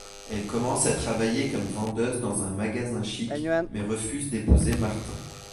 Elle commence à travailler comme vendeuse dans un magasin chic, mais refuse d'épouser Martin.